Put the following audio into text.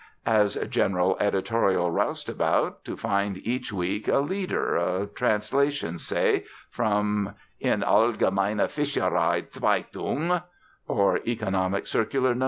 As general editorial roustabout, to find each week a "leader," a translation, say, from In Allgemeine Fishcherei Zeitwung, or _Economic Circular No.